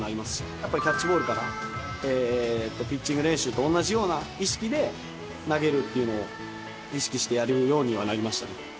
やっぱりキャッチボールからピッチング練習と同じような意識で投げるっていうのを意識してやるようにはなりましたね。